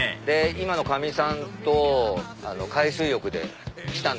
今のかみさんと海水浴で来た。